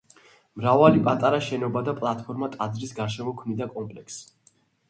მრავალი პატარა შენობა და პლატფორმა ტაძრის გარშემო ქმნიდა კომპლექსს.